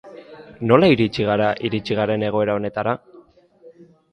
Nola iritsi gara iritsi garen egoera honetara?